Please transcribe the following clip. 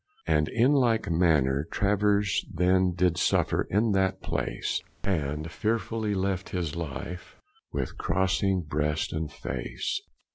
And in like maner Travers then Did suffer in that place, And fearfully he left his life, With crossing brest and face.